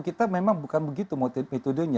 kita memang bukan begitu metodenya